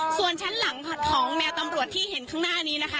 ส่วนชั้นหลังของแนวตำรวจที่เห็นข้างหน้านี้นะคะ